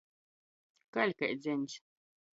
Kaļ kai dzeņs.